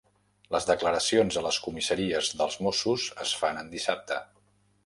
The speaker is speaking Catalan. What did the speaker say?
Les declaracions a les comissaries dels Mossos es fan en dissabte.